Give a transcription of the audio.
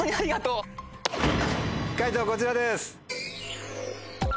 解答こちらです。